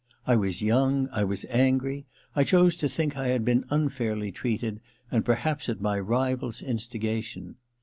I was young, I was angry, I chose to think I had been unfairly treated, and perhaps at my rival's instigation.